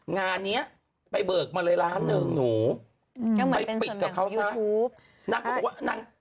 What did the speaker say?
งานเนี้ยไปเบิกมาเลยล้านหนึ่งหนูไปปิดกับเขาซะนางก็บอกว่านาง